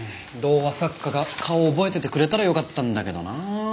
童話作家が顔を覚えててくれたらよかったんだけどな。